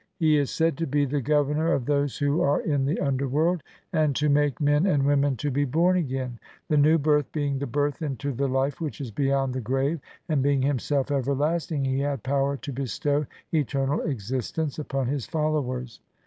340) he is said to be the "Governor of those who are in the underworld", and "to make OSIRIS AND THE RESURRECTION. LXXXV men and women to be born again", the new birth being the birth into the life which is beyond the grave ; and being himself everlasting he had power to bestow eternal existence upon his followers.